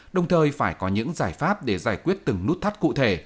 đồng thời phải có những giải pháp để giải quyết từng nút thắt cụ thể